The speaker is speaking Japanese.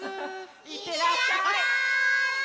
いってらっしゃい！